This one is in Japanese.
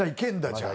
じゃあ。